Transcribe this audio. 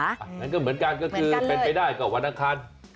เหมือนกันก็คือเป็นไปได้กับวันอังคาร